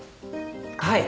はい。